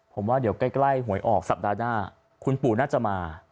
ผมว่าเดี๋ยวใกล้หวยออกสัปดาห์หน้าคุณปู่น่าจะมา